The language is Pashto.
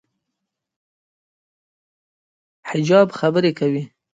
د کتابونو لوستل له زړه غمونه کموي.